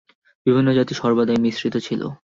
বিভিন্ন জাতি সর্বদাই মিশ্রিত ছিল।